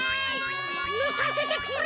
ぬかせてくれ！